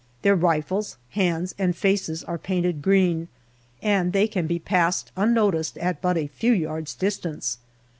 Their rifles, hands, and faces are painted green, and they can be passed unnoticed at but a few yards' distance.